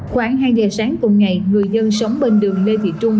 khoảng hai giờ sáng cùng ngày người dân sống bên đường lê thị trung